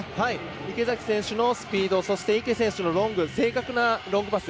池崎選手のスピード池選手の正確なロングパス。